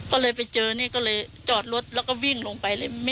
ก็เลยไปเจอนี่ก็เลยจอดรถแล้วก็วิ่งลงไปเลย